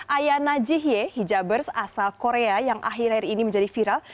ayana jihye hijabers asal korea yang akhir akhir ini menjadi viral